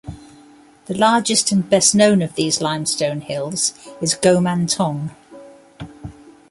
The largest and best known of these limestone hills is Gomantong.